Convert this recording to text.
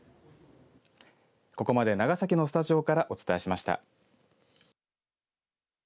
ここまで長崎のスタジオからお伝えしました。